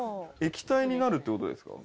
液体になるって事ですか？